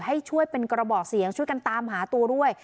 ให้ช่วยเป็นกระบอกเสียงช่วยกันตามหาตัวด้วย